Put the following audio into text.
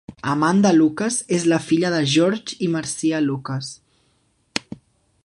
Amanda Lucas és la filla de George i Marcia Lucas.